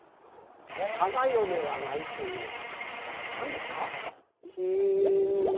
花嫁は泣いています。